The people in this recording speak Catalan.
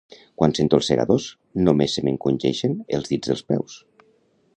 Quan sento els Segadors només se m'encongeixen els dits dels peus.